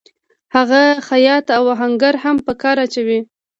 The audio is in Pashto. هغه خیاط او آهنګر هم په کار اچوي